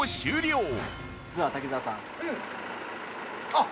あっ。